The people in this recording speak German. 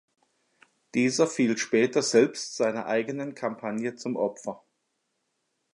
Dieser fiel später selbst seiner eigenen Kampagne zum Opfer.